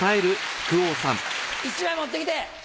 １枚持ってきて。